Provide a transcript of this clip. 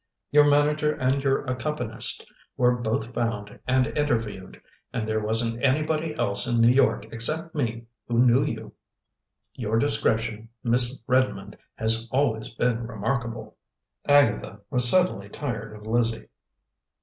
Your manager and your accompanist were both found and interviewed, and there wasn't anybody else in New York except me who knew you. Your discretion, Miss Redmond, has always been remarkable." Agatha was suddenly tired of Lizzie.